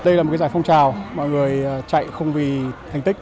đây là một giải phong trào mọi người chạy không vì thành tích